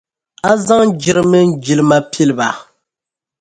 A zaŋ jiri mini jilima pili ba.